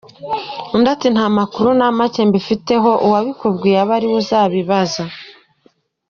Undi ati “Nta makuru na make mbifiteho, uwabikubwiye abe ari we uzabibaza.